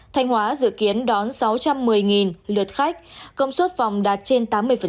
thanh hóa dự kiến đón sáu trăm một mươi lượt khách công suất phòng đạt trên tám mươi